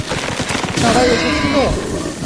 সবাই এসেছে তো?